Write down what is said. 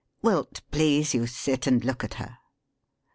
Will 't please you sit and look at her?